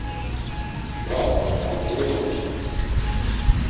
Var, ham keyevonç̌inat…